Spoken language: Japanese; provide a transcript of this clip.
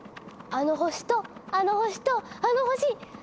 あの星とあの星とあの星！